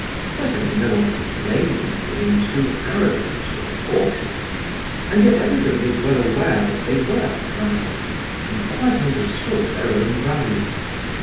Certainly no one could blame them for being too arrogant or haughty, and yet everybody was well aware that they were proud and quite understood their own value.